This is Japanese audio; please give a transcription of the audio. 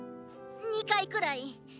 ２回くらい！